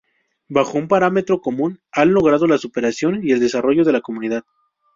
Bajo un parámetro común han logrado la superación y el desarrollo de la comunidad.